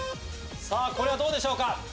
これはどうでしょうか？